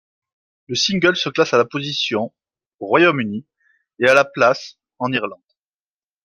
Le single se classe à la position au Royaume-Uni et la place en Irlande.